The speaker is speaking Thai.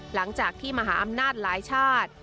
หลังจากที่มหาอำนาจหลายชาติ